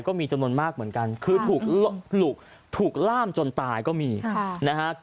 ก็มีจำนวนมากเหมือนกันคือถูกล่ามจนตายก็มีนะฮะ